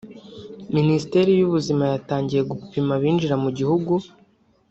Minisiteri y’Ubuzima yatangiye gupima abinjira mu gihugu